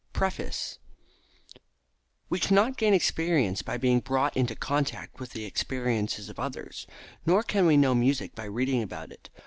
Preface We cannot gain experience by being brought into contact with the experiences of others, nor can we know music by reading about it.